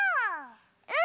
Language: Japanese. うん！